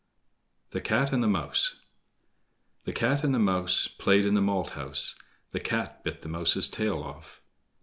The Cat and the Mouse The Cat and the Mouse Played in the malt house. The Cat bit the Mouse's tail off.